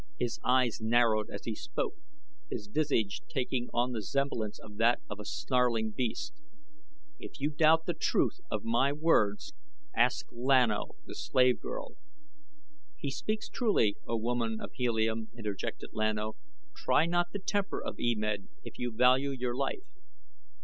His eyes narrowed as he spoke, his visage taking on the semblance of that of a snarling beast. "If you doubt the truth of my words ask Lan O, the slave girl." "He speaks truly, O woman of Helium," interjected Lan O. "Try not the temper of E Med, if you value your life."